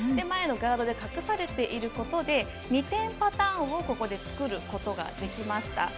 前のガードで隠されていることで２点パターンをここで作ることができました。